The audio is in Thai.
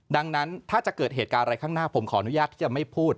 ดังนั้นถ้าจะเกิดเหตุการณ์อะไรข้างหน้าผมขออนุญาตที่จะไม่พูด